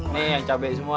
nih yang cabai semua